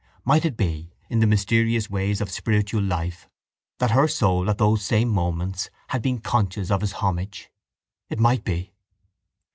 Might it be, in the mysterious ways of spiritual life, that her soul at those same moments had been conscious of his homage? It might be.